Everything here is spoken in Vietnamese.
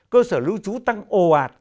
cơ sở lưu trú tăng ồ ạt